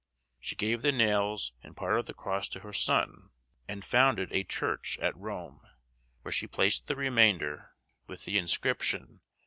She gave the nails and part of the cross to her son, and founded a church at Rome, where she placed the remainder, with the inscription.